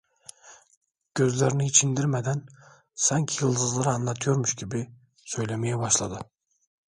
Gözlerini hiç indirmeden, sanki yıldızlara anlatıyormuş gibi, söylemeye başladı: